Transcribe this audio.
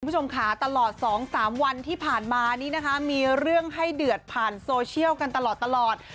คุณผู้ชมค่ะตลอด๒๓วันที่ผ่านมานี้นะคะมีเรื่องให้เดือดผ่านโซเชียลกันตลอด